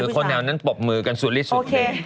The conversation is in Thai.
ขนแถวนั้นปกมือกันสวยเลยสุด